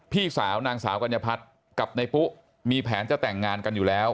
พี่สาวนางสาวกัญญพัฒน์กับนายปุ๊มีแผนจะแต่งงานกันอยู่แล้ว